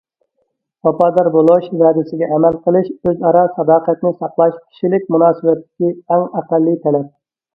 ۋاپادار بولۇش، ۋەدىسىگە ئەمەل قىلىش، ئۆزئارا ساداقەتنى ساقلاش كىشىلىك مۇناسىۋەتتىكى ئەڭ ئەقەللىي تەلەپ.